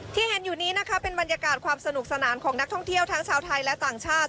ที่เห็นอยู่นี้นะคะเป็นบรรยากาศความสนุกสนานของนักท่องเที่ยวทั้งชาวไทยและต่างชาติ